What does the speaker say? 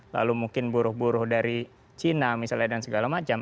lalu mungkin buruh buruh dari cina misalnya dan segala macam